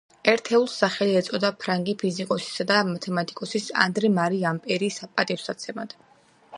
ერთეულს სახელი ეწოდა ფრანგი ფიზიკოსისა და მათემატიკოსის ანდრე მარი ამპერის პატივსაცემად.